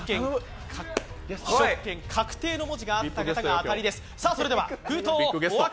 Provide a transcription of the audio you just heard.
試食権確定の文字があった方が当たりです。